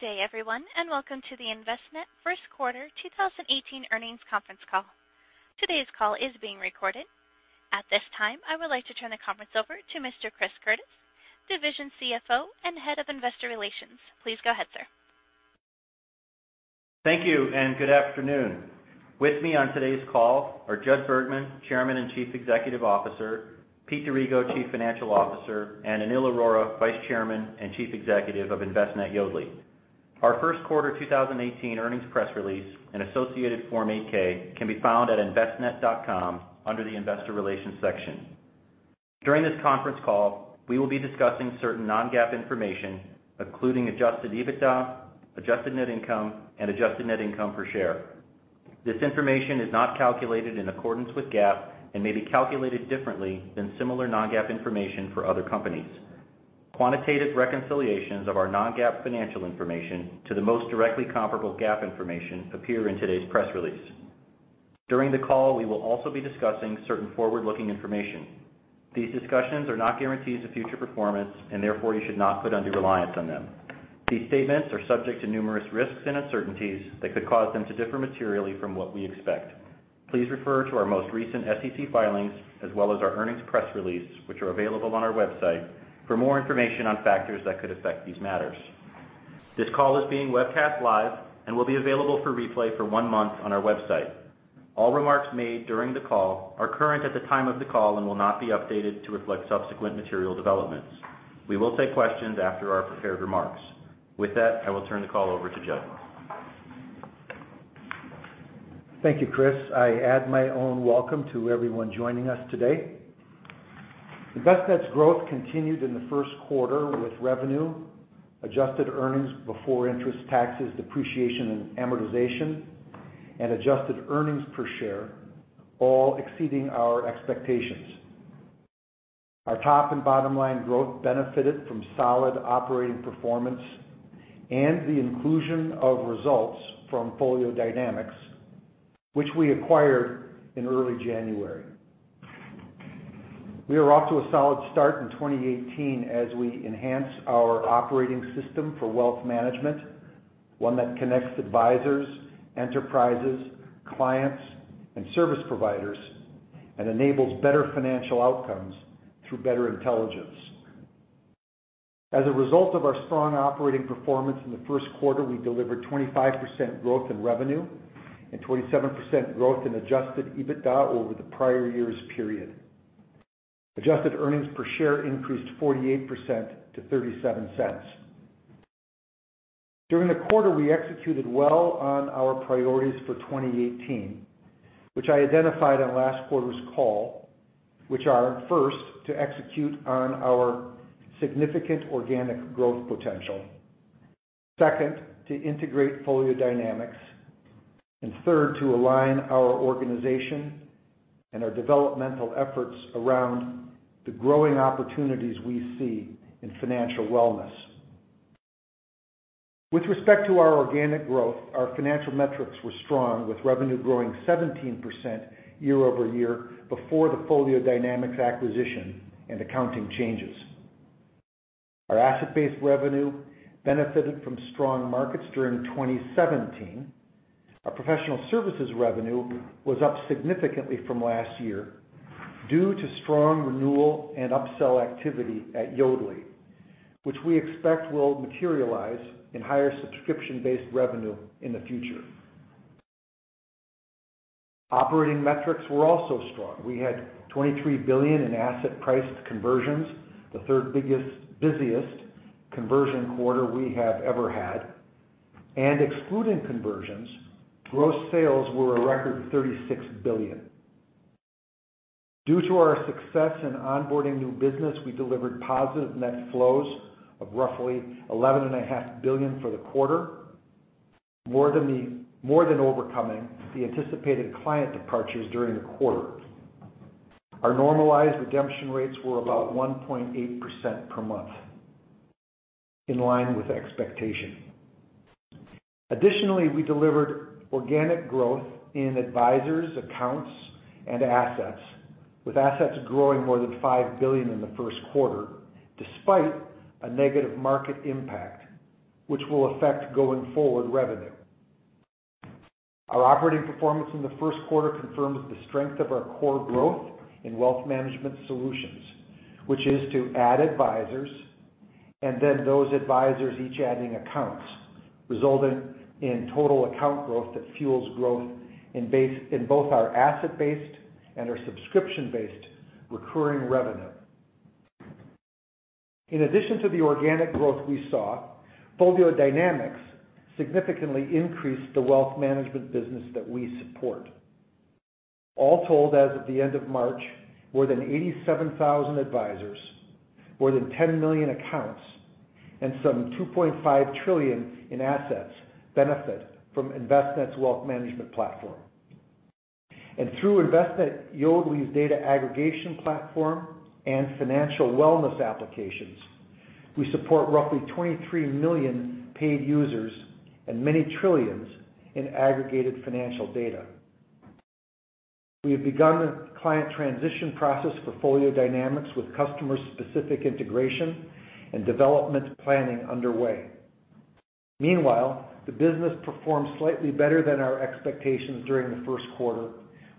Good day everyone, welcome to the Envestnet first quarter 2018 earnings conference call. Today's call is being recorded. At this time, I would like to turn the conference over to Mr. Chris Curtis, Division CFO and Head of Investor Relations. Please go ahead, sir. Thank you, good afternoon. With me on today's call are Judson Bergman, Chairman and Chief Executive Officer, Peter D'Arrigo, Chief Financial Officer, and Anil Arora, Vice Chairman and Chief Executive of Envestnet | Yodlee. Our first quarter 2018 earnings press release and associated Form 8-K can be found at envestnet.com under the investor relations section. During this conference call, we will be discussing certain non-GAAP information, including adjusted EBITDA, adjusted net income, and adjusted net income per share. This information is not calculated in accordance with GAAP and may be calculated differently than similar non-GAAP information for other companies. Quantitative reconciliations of our non-GAAP financial information to the most directly comparable GAAP information appear in today's press release. During the call, we will also be discussing certain forward-looking information. These discussions are not guarantees of future performance, therefore you should not put undue reliance on them. These statements are subject to numerous risks and uncertainties that could cause them to differ materially from what we expect. Please refer to our most recent SEC filings as well as our earnings press release, which are available on our website, for more information on factors that could affect these matters. This call is being webcast live and will be available for replay for one month on our website. All remarks made during the call are current at the time of the call and will not be updated to reflect subsequent material developments. We will take questions after our prepared remarks. With that, I will turn the call over to Judd. Thank you, Chris. I add my own welcome to everyone joining us today. Envestnet's growth continued in the first quarter with revenue, adjusted earnings before interest, taxes, depreciation, and amortization, and adjusted earnings per share all exceeding our expectations. Our top and bottom line growth benefited from solid operating performance and the inclusion of results from FolioDynamix, which we acquired in early January. We are off to a solid start in 2018 as we enhance our operating system for wealth management, one that connects advisors, enterprises, clients, and service providers, and enables better financial outcomes through better intelligence. As a result of our strong operating performance in the first quarter, we delivered 25% growth in revenue and 27% growth in adjusted EBITDA over the prior year's period. Adjusted earnings per share increased 48% to $0.37. During the quarter, we executed well on our priorities for 2018, which I identified on last quarter's call, which are, first, to execute on our significant organic growth potential. Second, to integrate FolioDynamix, and third, to align our organization and our developmental efforts around the growing opportunities we see in financial wellness. With respect to our organic growth, our financial metrics were strong, with revenue growing 17% year-over-year before the FolioDynamix acquisition and accounting changes. Our asset-based revenue benefited from strong markets during 2017. Our professional services revenue was up significantly from last year due to strong renewal and upsell activity at Yodlee, which we expect will materialize in higher subscription-based revenue in the future. Operating metrics were also strong. We had $23 billion in asset price conversions, the third busiest conversion quarter we have ever had. Excluding conversions, gross sales were a record $36 billion. Due to our success in onboarding new business, we delivered positive net flows of roughly $11.5 billion for the quarter, more than overcoming the anticipated client departures during the quarter. Our normalized redemption rates were about 1.8% per month, in line with expectation. Additionally, we delivered organic growth in advisors, accounts, and assets, with assets growing more than $5 billion in the first quarter, despite a negative market impact, which will affect going-forward revenue. Our operating performance in the first quarter confirms the strength of our core growth in wealth management solutions, which is to add advisors, then those advisors each adding accounts, resulting in total account growth that fuels growth in both our asset-based and our subscription-based recurring revenue. In addition to the organic growth we saw, FolioDynamix significantly increased the wealth management business that we support. All told, as of the end of March, more than 87,000 advisors, more than 10 million accounts, and some $2.5 trillion in assets benefit from Envestnet's wealth management platform. Through Envestnet | Yodlee's data aggregation platform and financial wellness applications, we support roughly 23 million paid users and many trillions in aggregated financial data. We have begun the client transition process for FolioDynamix with customer-specific integration and development planning underway. Meanwhile, the business performed slightly better than our expectations during the first quarter,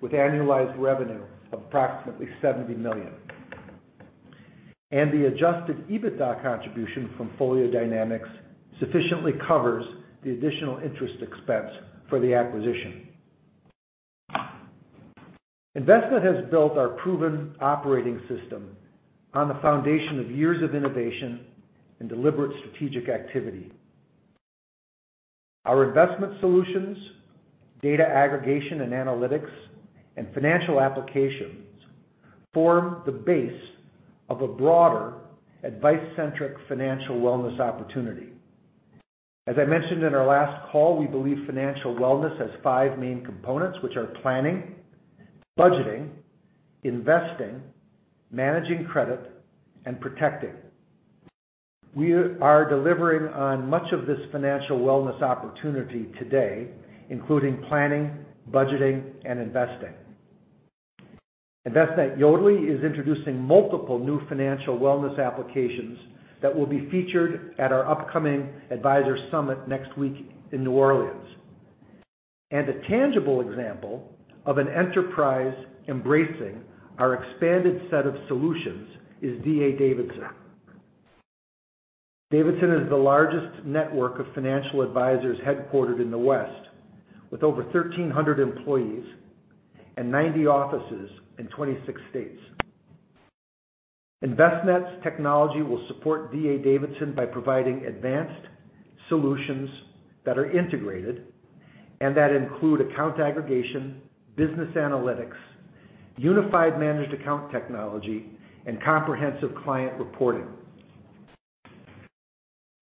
with annualized revenue of approximately $70 million. The adjusted EBITDA contribution from FolioDynamix sufficiently covers the additional interest expense for the acquisition. Envestnet has built our proven operating system on the foundation of years of innovation and deliberate strategic activity. Our investment solutions, data aggregation and analytics, and financial applications form the base of a broader advice-centric financial wellness opportunity. As I mentioned in our last call, we believe financial wellness has five main components, which are planning, budgeting, investing, managing credit, and protecting. We are delivering on much of this financial wellness opportunity today, including planning, budgeting, and investing. Envestnet | Yodlee is introducing multiple new financial wellness applications that will be featured at our upcoming advisor summit next week in New Orleans. A tangible example of an enterprise embracing our expanded set of solutions is D.A. Davidson. Davidson is the largest network of financial advisors headquartered in the West, with over 1,300 employees and 90 offices in 26 states. Envestnet's technology will support D.A. Davidson by providing advanced solutions that are integrated and that include account aggregation, business analytics, unified managed account technology, and comprehensive client reporting.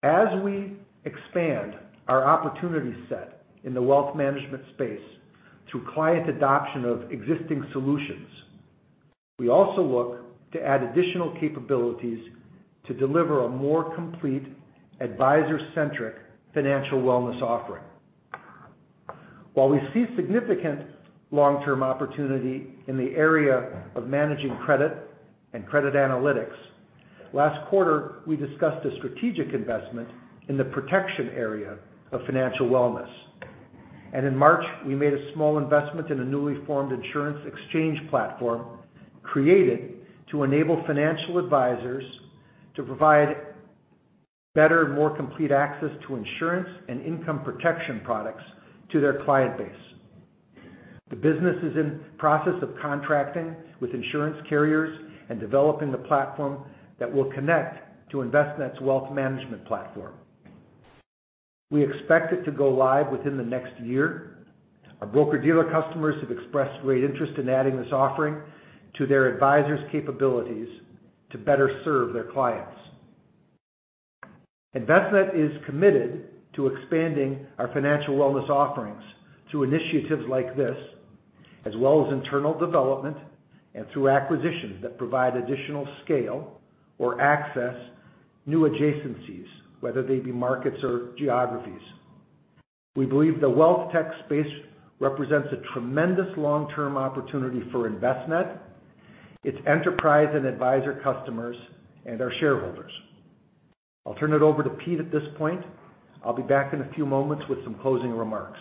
As we expand our opportunity set in the wealth management space through client adoption of existing solutions, we also look to add additional capabilities to deliver a more complete advisor-centric financial wellness offering. While we see significant long-term opportunity in the area of managing credit and credit analytics, last quarter, we discussed a strategic investment in the protection area of financial wellness. In March, we made a small investment in a newly formed insurance exchange platform created to enable financial advisors to provide better and more complete access to insurance and income protection products to their client base. The business is in the process of contracting with insurance carriers and developing the platform that will connect to Envestnet's wealth management platform. We expect it to go live within the next year. Our broker-dealer customers have expressed great interest in adding this offering to their advisors' capabilities to better serve their clients. Envestnet is committed to expanding our financial wellness offerings through initiatives like this, as well as internal development and through acquisitions that provide additional scale or access new adjacencies, whether they be markets or geographies. We believe the wealth tech space represents a tremendous long-term opportunity for Envestnet, its enterprise and advisor customers, and our shareholders. I'll turn it over to Pete at this point. I'll be back in a few moments with some closing remarks.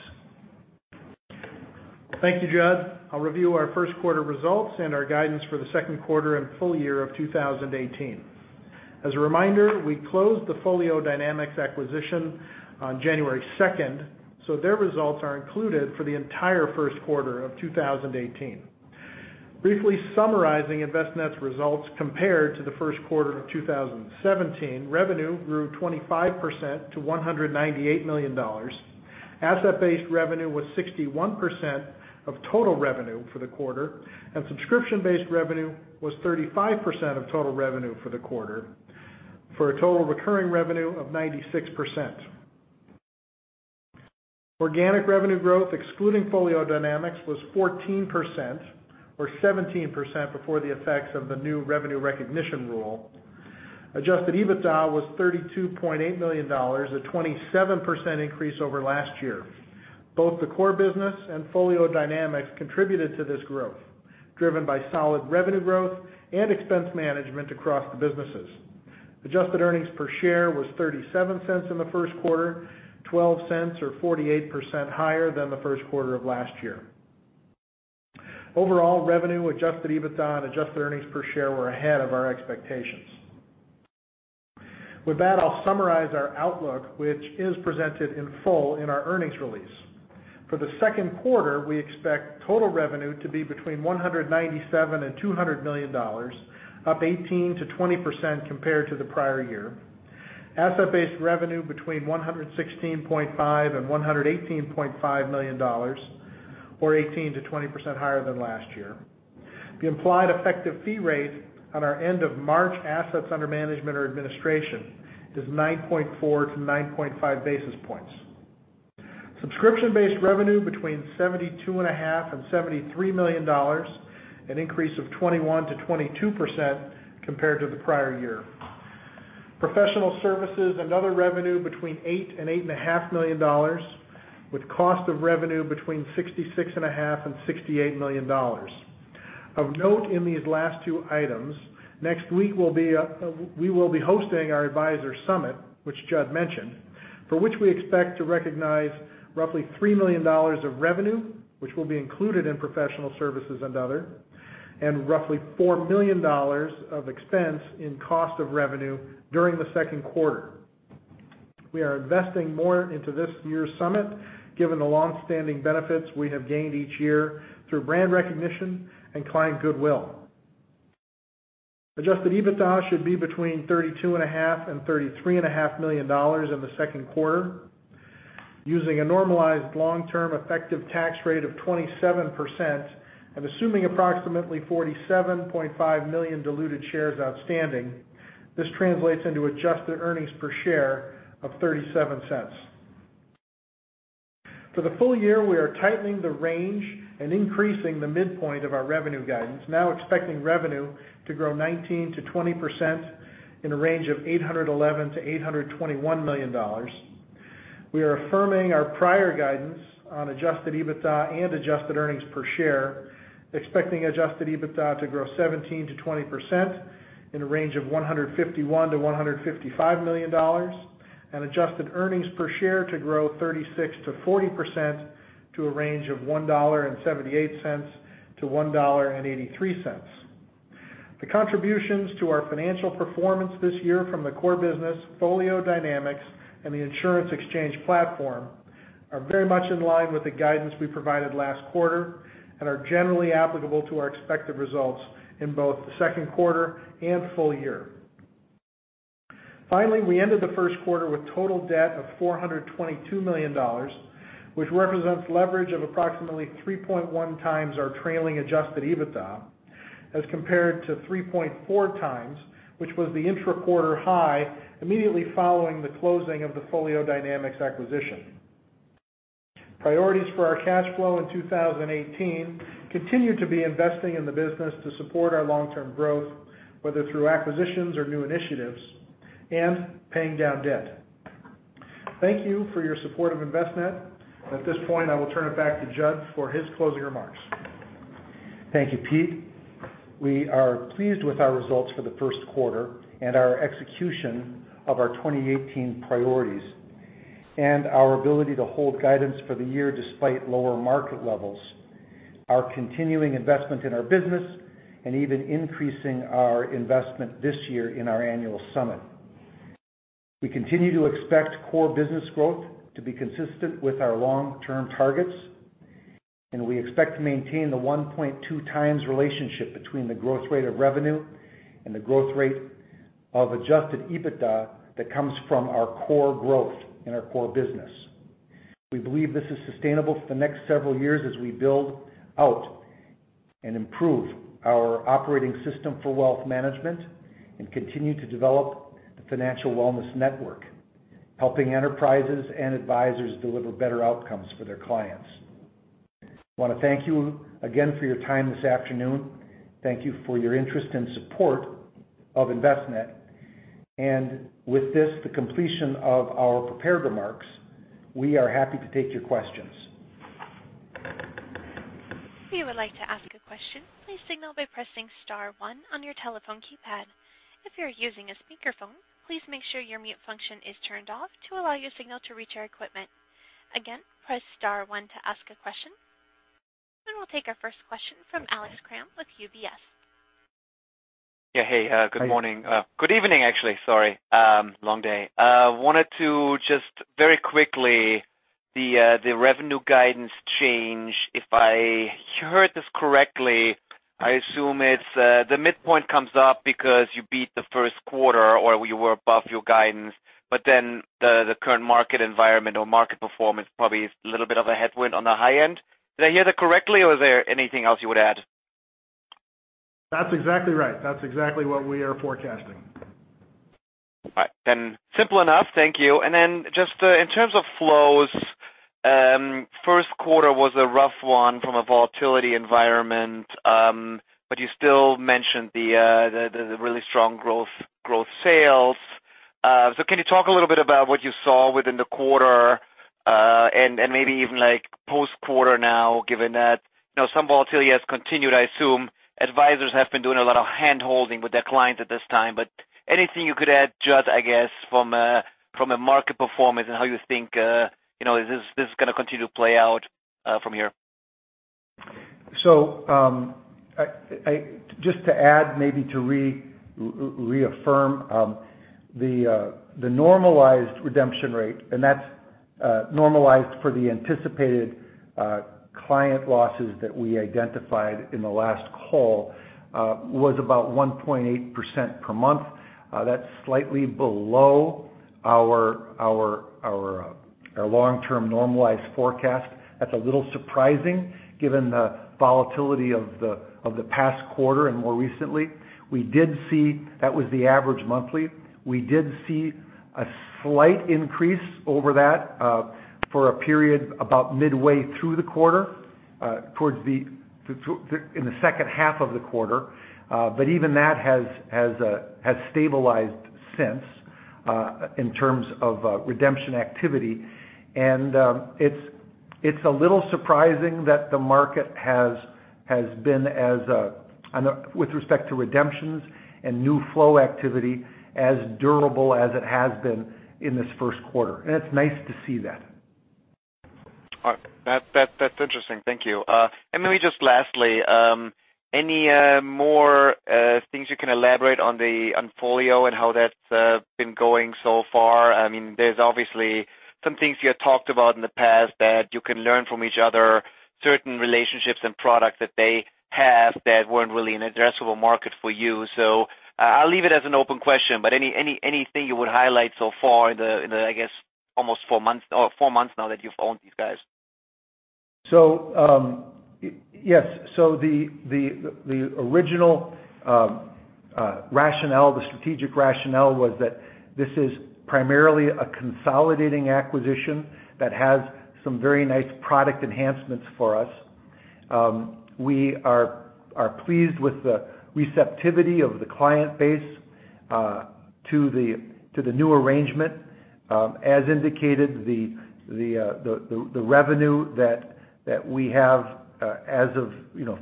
Thank you, Judd. I'll review our first quarter results and our guidance for the second quarter and full year of 2018. As a reminder, we closed the FolioDynamix acquisition on January 2nd, so their results are included for the entire first quarter of 2018. Briefly summarizing Envestnet's results compared to the first quarter of 2017, revenue grew 25% to $198 million. Asset-based revenue was 61% of total revenue for the quarter, and subscription-based revenue was 35% of total revenue for the quarter, for a total recurring revenue of 96%. Organic revenue growth, excluding FolioDynamix, was 14%, or 17% before the effects of the new revenue recognition rule. Adjusted EBITDA was $32.8 million, a 27% increase over last year. Both the core business and FolioDynamix contributed to this growth, driven by solid revenue growth and expense management across the businesses. Adjusted earnings per share was $0.37 in the first quarter, $0.12 or 48% higher than the first quarter of last year. Overall revenue, adjusted EBITDA, and adjusted earnings per share were ahead of our expectations. With that, I'll summarize our outlook, which is presented in full in our earnings release. For the second quarter, we expect total revenue to be between $197 million and $200 million, up 18%-20% compared to the prior year. Asset-based revenue between $116.5 million and $118.5 million, or 18%-20% higher than last year. The implied effective fee rate on our end-of-March assets under management or administration is 9.4-9.5 basis points. Subscription-based revenue between $72.5 million and $73 million, an increase of 21%-22% compared to the prior year. Professional services and other revenue between $8 million and $8.5 million, with cost of revenue between $66.5 million and $68 million. Of note in these last two items, next week we will be hosting our advisor summit, which Judd mentioned, for which we expect to recognize roughly $3 million of revenue, which will be included in professional services and other, and roughly $4 million of expense in cost of revenue during the second quarter. We are investing more into this year's summit, given the longstanding benefits we have gained each year through brand recognition and client goodwill. Adjusted EBITDA should be between $32.5 million and $33.5 million in the second quarter, using a normalized long-term effective tax rate of 27%, and assuming approximately 47.5 million diluted shares outstanding. This translates into adjusted earnings per share of $0.37. For the full year, we are tightening the range and increasing the midpoint of our revenue guidance, now expecting revenue to grow 19%-20% in a range of $811 million-$821 million. We are affirming our prior guidance on adjusted EBITDA and adjusted earnings per share, expecting adjusted EBITDA to grow 17%-20% in a range of $151 million-$155 million. Adjusted earnings per share to grow 36%-40% to a range of $1.78-$1.83. The contributions to our financial performance this year from the core business, FolioDynamix, and the insurance exchange platform are very much in line with the guidance we provided last quarter, and are generally applicable to our expected results in both the second quarter and full year. Finally, we ended the first quarter with total debt of $422 million, which represents leverage of approximately 3.1 times our trailing adjusted EBITDA as compared to 3.4 times, which was the intra-quarter high immediately following the closing of the FolioDynamix acquisition. Priorities for our cash flow in 2018 continue to be investing in the business to support our long-term growth, whether through acquisitions or new initiatives, and paying down debt. Thank you for your support of Envestnet. At this point, I will turn it back to Judd for his closing remarks. Thank you, Pete. We are pleased with our results for the first quarter and our execution of our 2018 priorities, and our ability to hold guidance for the year despite lower market levels, our continuing investment in our business, and even increasing our investment this year in our annual summit. We continue to expect core business growth to be consistent with our long-term targets, and we expect to maintain the 1.2 times relationship between the growth rate of revenue and the growth rate of adjusted EBITDA that comes from our core growth in our core business. We believe this is sustainable for the next several years as we build out and improve our operating system for wealth management and continue to develop the financial wellness network, helping enterprises and advisors deliver better outcomes for their clients. I want to thank you again for your time this afternoon. Thank you for your interest and support of Envestnet. With this, the completion of our prepared remarks, we are happy to take your questions. If you would like to ask a question, please signal by pressing *1 on your telephone keypad. If you're using a speakerphone, please make sure your mute function is turned off to allow your signal to reach our equipment. Again, press *1 to ask a question. We'll take our first question from Alex Kramm with UBS. Yeah. Hey, good morning. Good evening, actually, sorry. Long day. Wanted to just very quickly, the revenue guidance change. If I heard this correctly, I assume the midpoint comes up because you beat the first quarter, or you were above your guidance. The current market environment or market performance probably is a little bit of a headwind on the high end. Did I hear that correctly, or is there anything else you would add? That's exactly right. That's exactly what we are forecasting. All right, simple enough. Thank you. Just in terms of flows, first quarter was a rough one from a volatility environment. You still mentioned the really strong growth sales. Can you talk a little bit about what you saw within the quarter? Maybe even post-quarter now, given that some volatility has continued, I assume. Advisors have been doing a lot of hand-holding with their clients at this time. Anything you could add, Judd, I guess, from a market performance and how you think this is going to continue to play out from here? Just to add, maybe to reaffirm, the normalized redemption rate, and that's normalized for the anticipated client losses that we identified in the last call, was about 1.8% per month. That's slightly below our long-term normalized forecast. That's a little surprising given the volatility of the past quarter and more recently. That was the average monthly. We did see a slight increase over that for a period about midway through the quarter. In the second half of the quarter. Even that has stabilized since, in terms of redemption activity. It's a little surprising that the market has been, with respect to redemptions and new flow activity, as durable as it has been in this first quarter. It's nice to see that. All right. That's interesting. Thank you. Maybe just lastly, any more things you can elaborate on the FolioDynamix and how that's been going so far? There's obviously some things you had talked about in the past that you can learn from each other, certain relationships and products that they have that weren't really an addressable market for you. I'll leave it as an open question, but anything you would highlight so far in the, I guess almost four months now that you've owned these guys? Yes. The original rationale, the strategic rationale was that this is primarily a consolidating acquisition that has some very nice product enhancements for us. We are pleased with the receptivity of the client base to the new arrangement. As indicated, the revenue that we have as of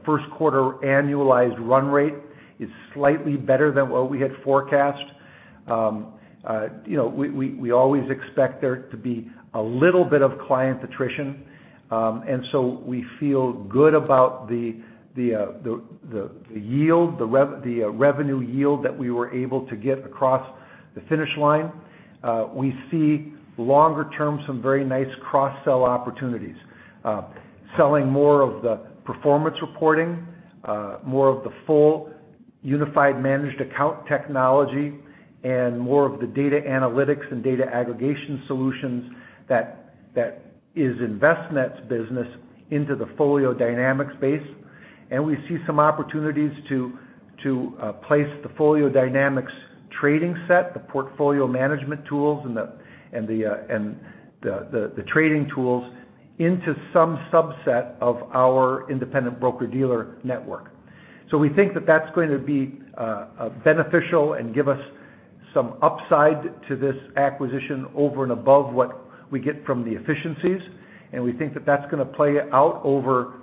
first quarter annualized run rate is slightly better than what we had forecast. We always expect there to be a little bit of client attrition. We feel good about the yield, the revenue yield that we were able to get across the finish line. We see longer term, some very nice cross-sell opportunities. Selling more of the performance reporting, more of the full unified managed account technology, and more of the data analytics and data aggregation solutions that is Envestnet's business into the FolioDynamix space. We see some opportunities to place the FolioDynamix trading set, the portfolio management tools, and the trading tools into some subset of our independent broker-dealer network. We think that that's going to be beneficial and give us some upside to this acquisition over and above what we get from the efficiencies, and we think that that's going to play out over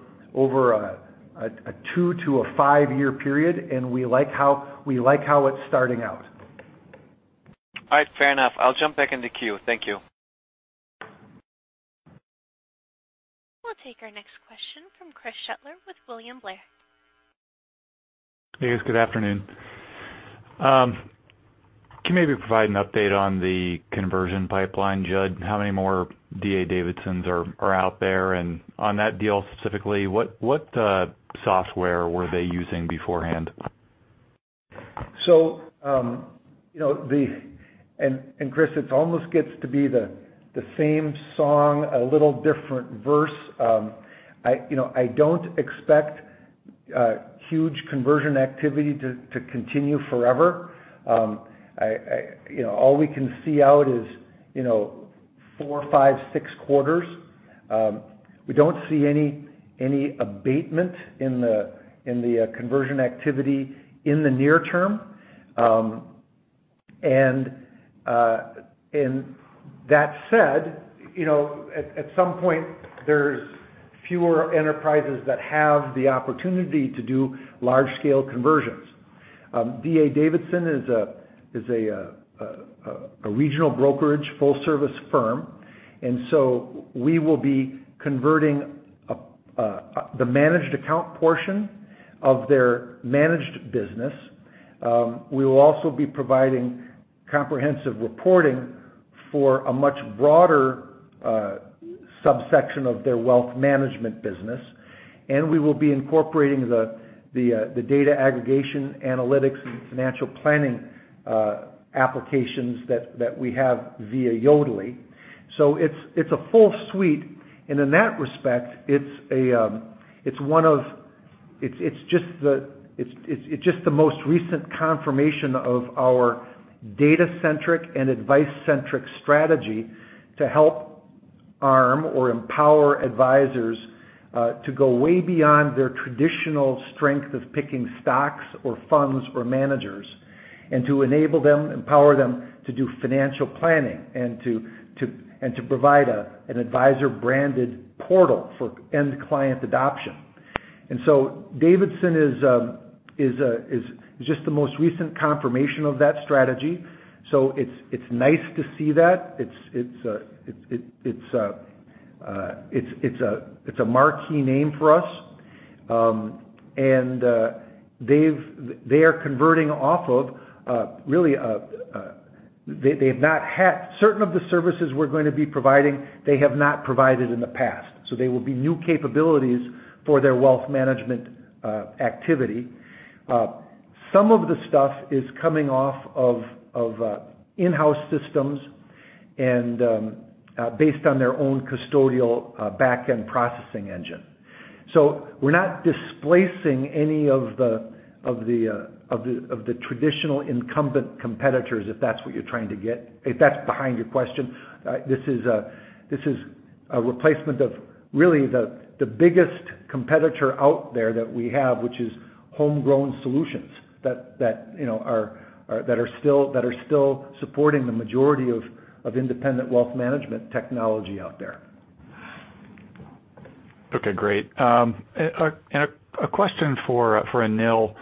a two to a five-year period, and we like how it's starting out. All right. Fair enough. I'll jump back in the queue. Thank you. We'll take our next question from Chris Shutler with William Blair. Hey guys, good afternoon. Can you maybe provide an update on the conversion pipeline, Judd? How many more D.A. Davidsons are out there? On that deal specifically, what software were they using beforehand? Chris, it almost gets to be the same song, a little different verse. I don't expect huge conversion activity to continue forever. All we can see out is four, five, six quarters. We don't see any abatement in the conversion activity in the near term. That said, at some point, there's fewer enterprises that have the opportunity to do large-scale conversions. D.A. Davidson is a regional brokerage full service firm, we will be converting the managed account portion of their managed business. We will also be providing comprehensive reporting for a much broader subsection of their wealth management business, we will be incorporating the data aggregation, analytics, and financial planning applications that we have via Yodlee. It's a full suite, in that respect, it's just the most recent confirmation of our data-centric and advice-centric strategy to help arm or empower advisors to go way beyond their traditional strength of picking stocks or funds or managers, to enable them, empower them to do financial planning and to provide an advisor-branded portal for end client adoption. Davidson is just the most recent confirmation of that strategy. It's nice to see that. It's a marquee name for us. They are converting off of Certain of the services we're going to be providing, they have not provided in the past. They will be new capabilities for their wealth management activity. Some of the stuff is coming off of in-house systems and based on their own custodial back-end processing engine. We're not displacing any of the traditional incumbent competitors, if that's what you're trying to get, if that's behind your question. This is a replacement of the biggest competitor out there that we have, which is homegrown solutions that are still supporting the majority of independent wealth management technology out there. Okay, great. A question for Anil.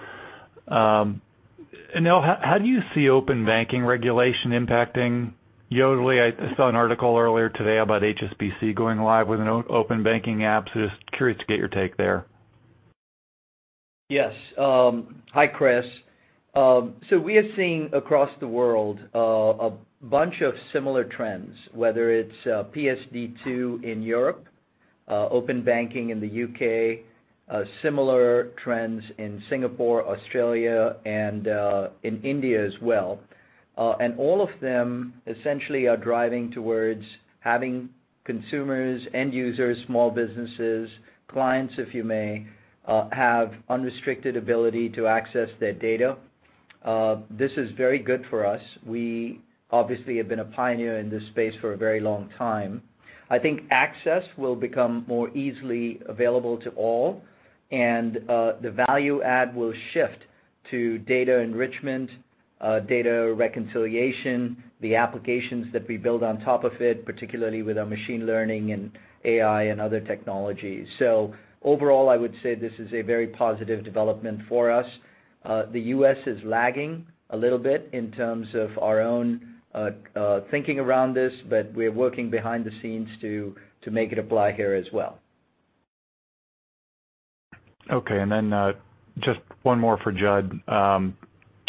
Anil, how do you see open banking regulation impacting Yodlee? I saw an article earlier today about HSBC going live with an open banking app, just curious to get your take there. Yes. Hi, Chris. We are seeing across the world a bunch of similar trends, whether it's PSD2 in Europe, open banking in the U.K., similar trends in Singapore, Australia, and in India as well. All of them essentially are driving towards having consumers, end users, small businesses, clients if you may, have unrestricted ability to access their data. This is very good for us. We obviously have been a pioneer in this space for a very long time. I think access will become more easily available to all, and the value add will shift to data enrichment, data reconciliation, the applications that we build on top of it, particularly with our machine learning and AI and other technologies. Overall, I would say this is a very positive development for us. The U.S. is lagging a little bit in terms of our own thinking around this, but we're working behind the scenes to make it apply here as well. Okay, just one more for Judd.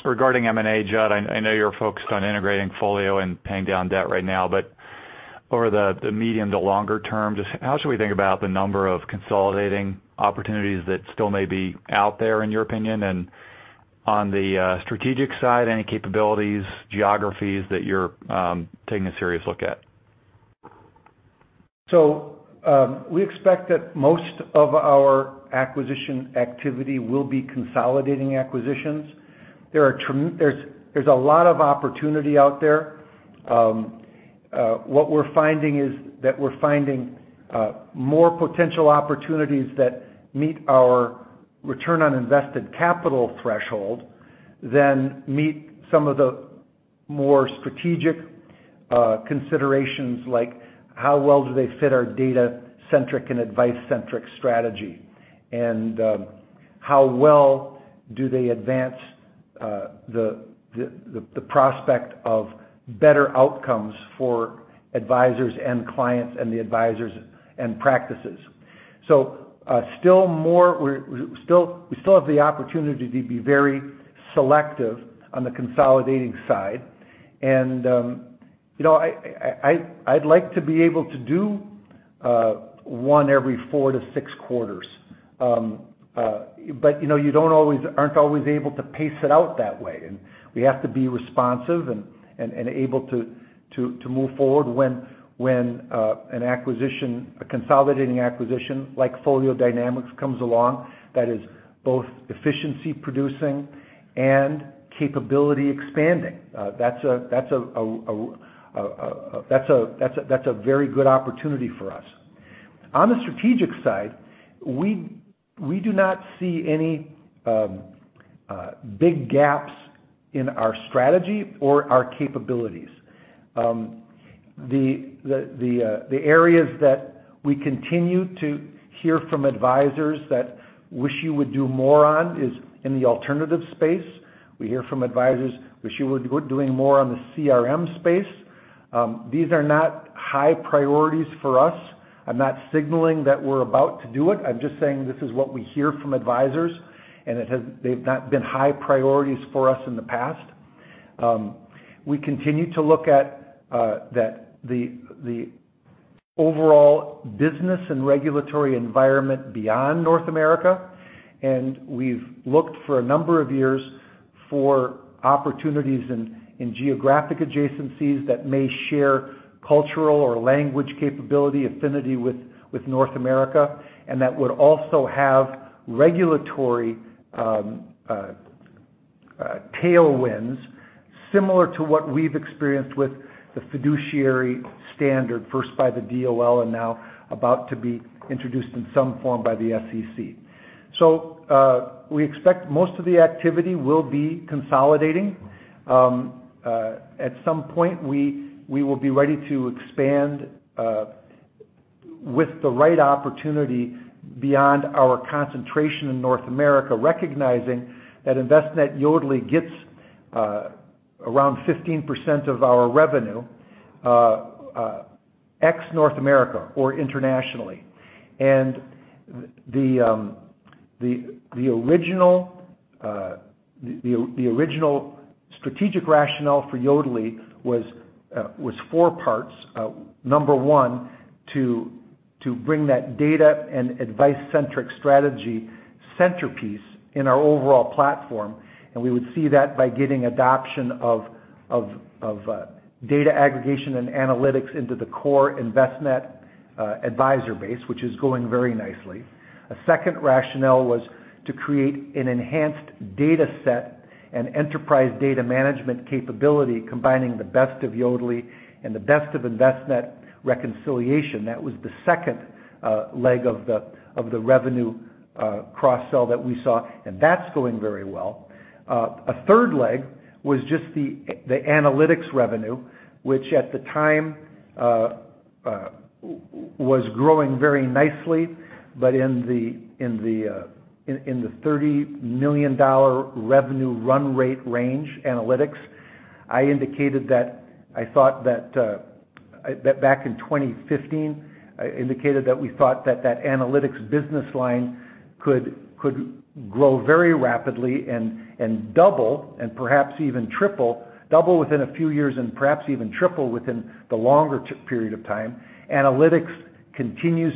Regarding M&A, Judd, I know you're focused on integrating Folio and paying down debt right now, but over the medium to longer term, just how should we think about the number of consolidating opportunities that still may be out there, in your opinion? On the strategic side, any capabilities, geographies that you're taking a serious look at? We expect that most of our acquisition activity will be consolidating acquisitions. There's a lot of opportunity out there. What we're finding is that we're finding more potential opportunities that meet our return on invested capital threshold than meet some of the more strategic considerations, like how well do they fit our data-centric and advice-centric strategy? How well do they advance the prospect of better outcomes for advisors and clients and the advisors and practices? We still have the opportunity to be very selective on the consolidating side. I'd like to be able to do one every four to six quarters. You aren't always able to pace it out that way, and we have to be responsive and able to move forward when a consolidating acquisition like FolioDynamix comes along that is both efficiency producing and capability expanding. That's a very good opportunity for us. On the strategic side, we do not see any big gaps in our strategy or our capabilities. The areas that we continue to hear from advisors that wish you would do more on is in the alternative space. We hear from advisors wish you were doing more on the CRM space. These are not high priorities for us. I'm not signaling that we're about to do it. I'm just saying this is what we hear from advisors, and they've not been high priorities for us in the past. We continue to look at the overall business and regulatory environment beyond North America. We've looked for a number of years for opportunities in geographic adjacencies that may share cultural or language capability affinity with North America, that would also have regulatory tailwinds similar to what we've experienced with the fiduciary standard, first by the DOL, and now about to be introduced in some form by the SEC. We expect most of the activity will be consolidating. At some point, we will be ready to expand with the right opportunity beyond our concentration in North America, recognizing that Envestnet | Yodlee gets around 15% of our revenue ex North America or internationally. The original strategic rationale for Yodlee was four parts. Number one, to bring that data and advice-centric strategy centerpiece in our overall platform, we would see that by getting adoption of data aggregation and analytics into the core Envestnet advisor base, which is going very nicely. A second rationale was to create an enhanced data set and enterprise data management capability combining the best of Yodlee and the best of Envestnet reconciliation. That was the second leg of the revenue cross-sell that we saw, that's going very well. A third leg was just the analytics revenue, which at the time was growing very nicely, but in the $30 million revenue run rate range analytics. Back in 2015, I indicated that we thought that that analytics business line could grow very rapidly and double within a few years and perhaps even triple within the longer period of time. Analytics continues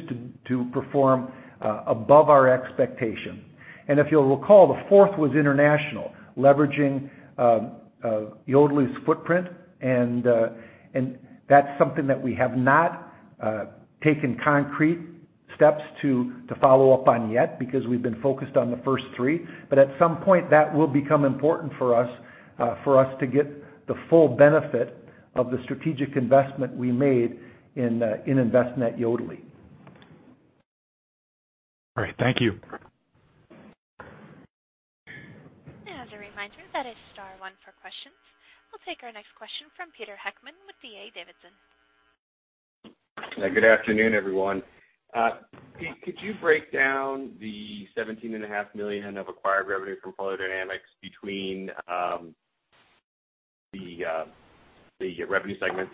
to perform above our expectation. If you'll recall, the fourth was international, leveraging Yodlee's footprint, and that's something that we have not taken concrete steps to follow up on yet because we've been focused on the first three. At some point, that will become important for us to get the full benefit of the strategic investment we made in Envestnet | Yodlee. All right, thank you. As a reminder, that is star one for questions. We'll take our next question from Peter Heckmann with D.A. Davidson. Good afternoon, everyone. Could you break down the $17.5 million of acquired revenue from FolioDynamix between the revenue segments?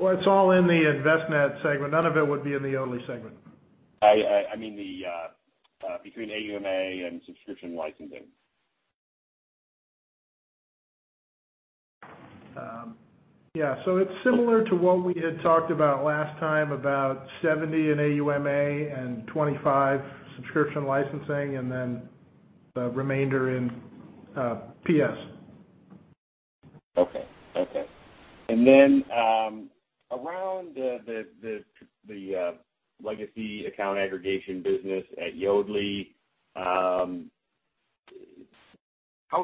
Well, it's all in the Envestnet segment. None of it would be in the Yodlee segment. I mean between AUMA and subscription licensing. Yeah. It's similar to what we had talked about last time, about 70 in AUMA and 25 subscription licensing, and then the remainder in PS. Okay. Around the legacy account aggregation business at Yodlee, how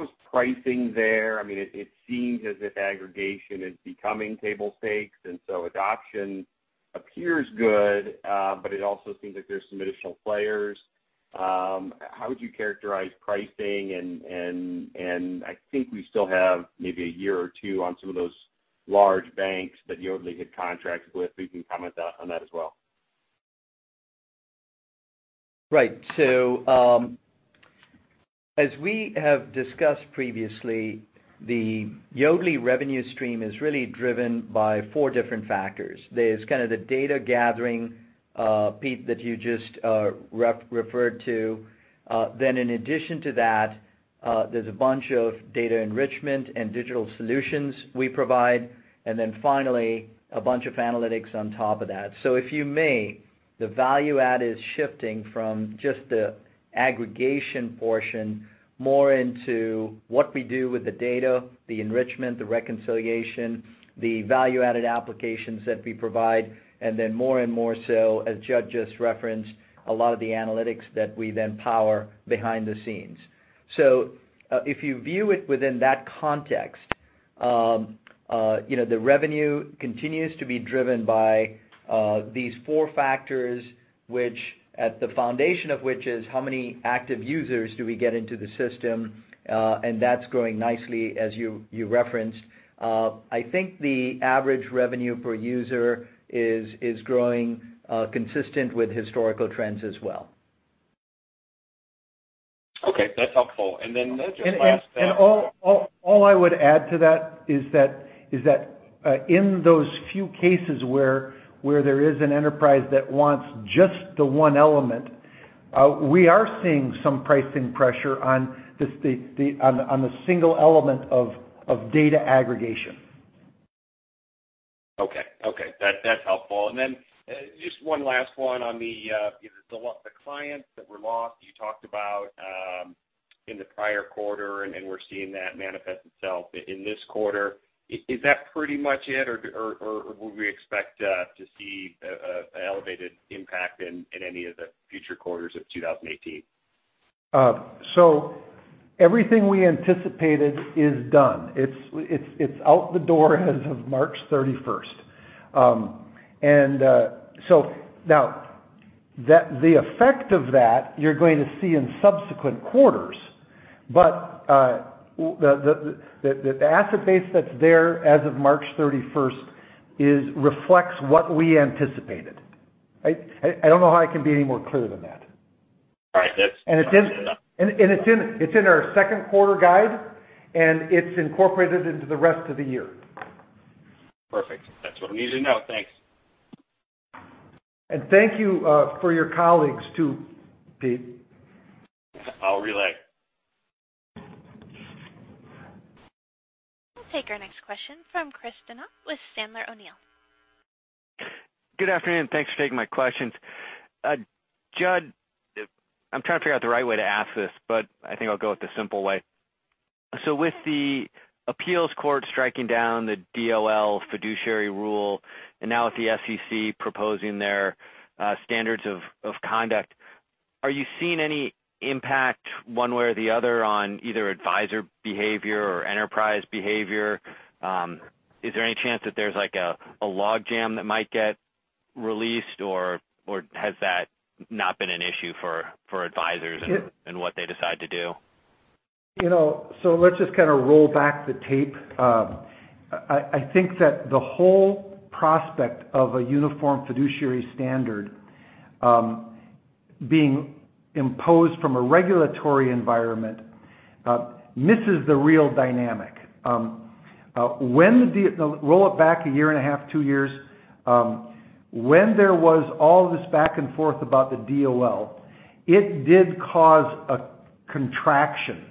is pricing there? It seems as if aggregation is becoming table stakes, and so adoption appears good. It also seems like there's some additional players. How would you characterize pricing? I think we still have maybe a year or 2 on some of those large banks that Yodlee had contracts with, if you can comment on that as well. Right. As we have discussed previously, the Yodlee revenue stream is really driven by four different factors. There's kind of the data gathering, Pete, that you just referred to. In addition to that, there's a bunch of data enrichment and digital solutions we provide. Finally, a bunch of analytics on top of that. If you may, the value add is shifting from just the aggregation portion more into what we do with the data, the enrichment, the reconciliation, the value-added applications that we provide, and then more and more so, as Judd just referenced, a lot of the analytics that we then power behind the scenes. If you view it within that context, the revenue continues to be driven by these four factors, at the foundation of which is how many active users do we get into the system? That's growing nicely as you referenced. I think the average revenue per user is growing consistent with historical trends as well. Okay. That's helpful. Just last- All I would add to that is that in those few cases where there is an enterprise that wants just the one element, we are seeing some pricing pressure on the single element of data aggregation. That's helpful. Just one last one on the clients that were lost, you talked about in the prior quarter, and we're seeing that manifest itself in this quarter. Is that pretty much it, or would we expect to see an elevated impact in any of the future quarters of 2018? Everything we anticipated is done. It's out the door as of March 31st. The effect of that, you're going to see in subsequent quarters, but the asset base that's there as of March 31st reflects what we anticipated. I don't know how I can be any more clear than that. All right. That's enough. It's in our second quarter guide, and it's incorporated into the rest of the year. Perfect. That's what I needed to know. Thanks. Thank you for your colleagues too, Pete. I'll relay. I'll take our next question from Chris Donat with Sandler O'Neill. Good afternoon. Thanks for taking my questions. Judd, I'm trying to figure out the right way to ask this, but I think I'll go with the simple way. With the appeals court striking down the DOL fiduciary rule, and now with the SEC proposing their standards of conduct, are you seeing any impact one way or the other on either advisor behavior or enterprise behavior? Is there any chance that there's a log jam that might get released or has that not been an issue for advisors and what they decide to do? Let's just roll back the tape. I think that the whole prospect of a uniform fiduciary standard being imposed from a regulatory environment misses the real dynamic. Roll it back a year and a half, two years, when there was all this back and forth about the DOL, it did cause a contraction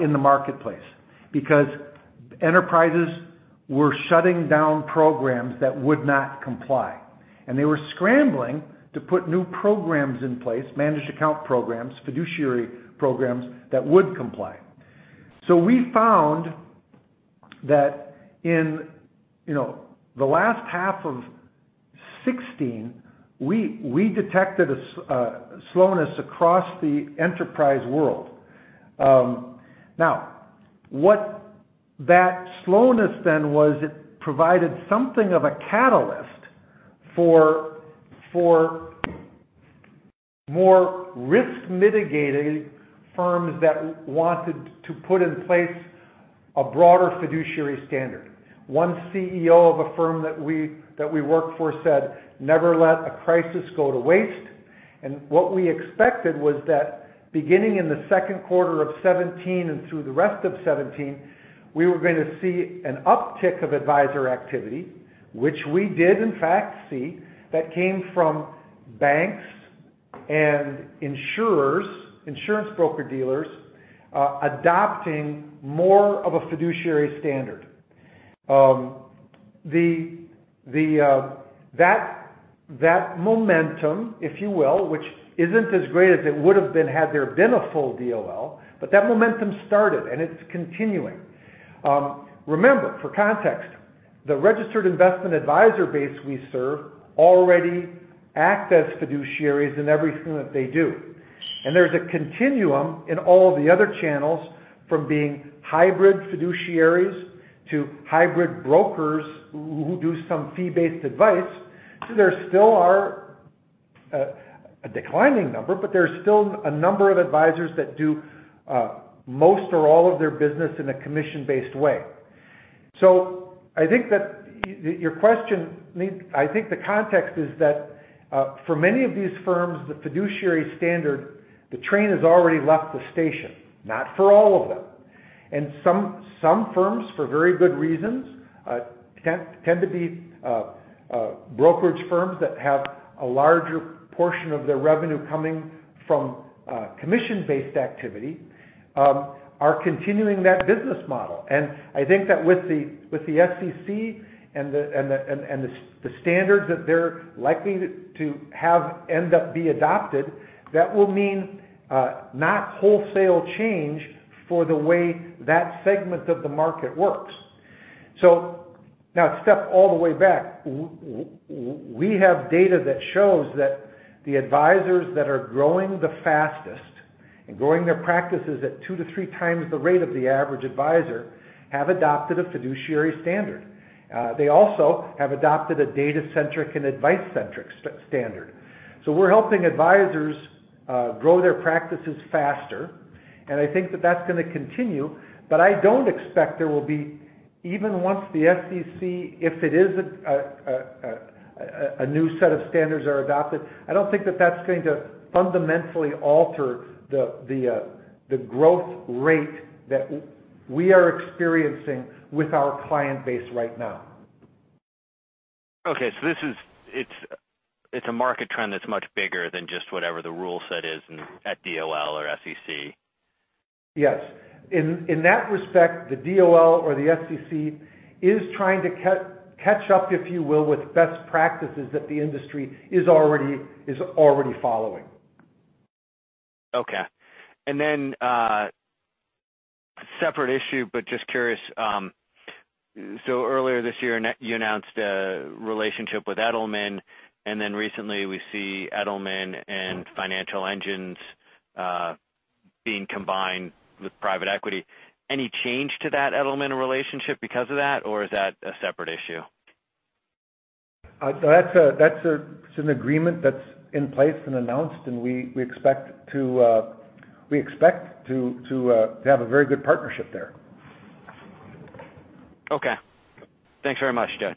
in the marketplace because enterprises were shutting down programs that would not comply, and they were scrambling to put new programs in place, managed account programs, fiduciary programs, that would comply. We found that in the last half of 2016, we detected a slowness across the enterprise world. What that slowness then was, it provided something of a catalyst for more risk-mitigating firms that wanted to put in place a broader fiduciary standard. One CEO of a firm that we work for said, "Never let a crisis go to waste." What we expected was that beginning in the second quarter of 2017 and through the rest of 2017, we were going to see an uptick of advisor activity, which we did in fact see, that came from banks and insurers, insurance broker-dealers, adopting more of a fiduciary standard. That momentum, if you will, which isn't as great as it would've been had there been a full DOL, but that momentum started and it's continuing. Remember, for context, the registered investment advisor base we serve already act as fiduciaries in everything that they do. There's a continuum in all of the other channels from being hybrid fiduciaries to hybrid brokers who do some fee-based advice. There still are a declining number, but there's still a number of advisors that do most or all of their business in a commission-based way. I think the context is that for many of these firms, the fiduciary standard, the train has already left the station. Not for all of them. Some firms, for very good reasons, tend to be brokerage firms that have a larger portion of their revenue coming from commission-based activity, are continuing that business model. I think that with the SEC and the standards that they're likely to have end up be adopted, that will mean not wholesale change for the way that segment of the market works. Step all the way back. We have data that shows that the advisors that are growing the fastest and growing their practices at two to three times the rate of the average advisor have adopted a fiduciary standard. They also have adopted a data-centric and advice-centric standard. We're helping advisors grow their practices faster, and I think that that's going to continue, but I don't expect there will be, even once the SEC, if it is a new set of standards are adopted, I don't think that that's going to fundamentally alter the growth rate that we are experiencing with our client base right now. Okay. It's a market trend that's much bigger than just whatever the rule set is at DOL or SEC. Yes. In that respect, the DOL or the SEC is trying to catch up, if you will, with best practices that the industry is already following. Okay. Then, separate issue, but just curious. Earlier this year, you announced a relationship with Edelman, and then recently we see Edelman and Financial Engines being combined with private equity. Any change to that Edelman relationship because of that? Or is that a separate issue? That's an agreement that's in place and announced, we expect to have a very good partnership there. Okay. Thanks very much, Judd.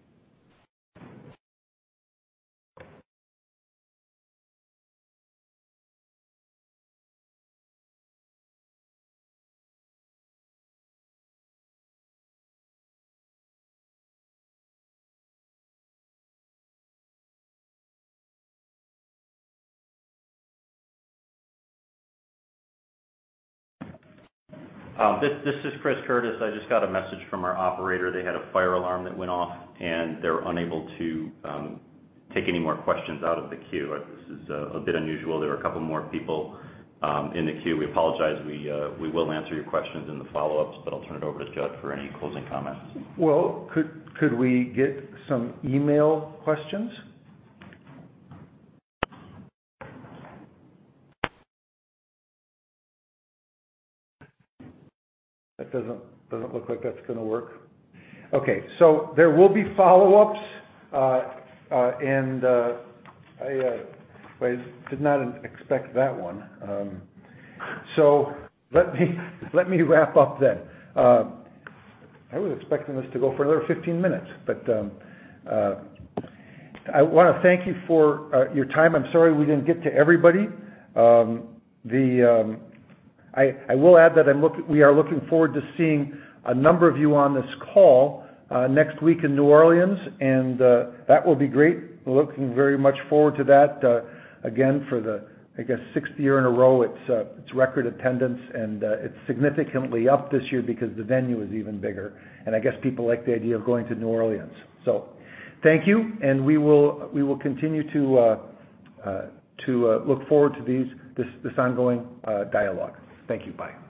This is Chris Curtis. I just got a message from our operator. They had a fire alarm that went off, they're unable to take any more questions out of the queue. This is a bit unusual. There were a couple more people in the queue. We apologize. We will answer your questions in the follow-ups, I'll turn it over to Judd for any closing comments. Well, could we get some email questions? It doesn't look like that's going to work. Okay. There will be follow-ups. I did not expect that one. Let me wrap up then. I was expecting this to go for another 15 minutes. I want to thank you for your time. I'm sorry we didn't get to everybody. I will add that we are looking forward to seeing a number of you on this call next week in New Orleans, that will be great. We're looking very much forward to that. Again, for the, I guess, sixth year in a row, it's record attendance, it's significantly up this year because the venue is even bigger, I guess people like the idea of going to New Orleans. Thank you, we will continue to look forward to this ongoing dialogue. Thank you. Bye.